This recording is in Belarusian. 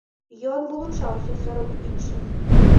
Ён вылучаўся сярод іншых.